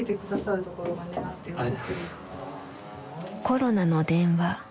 コロナの電話